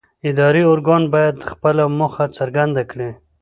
اداري ارګان باید خپله موخه څرګنده کړي.